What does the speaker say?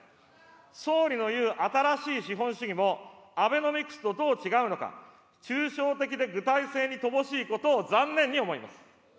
総理のいう新しい資本主義も、アベノミクスとどう違うのか、抽象的で具体性に乏しいことを残念に思います。